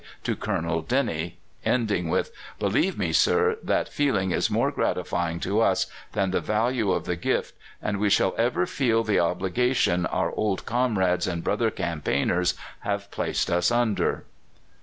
to Colonel Dennie, ending with, "Believe me, sir, that feeling is more gratifying to us than the value of the gift, and we shall ever feel the obligation our old comrades and brother campaigners have placed us under."